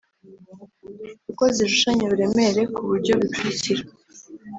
uko zirushanya uburemere ku buryo bukurikira: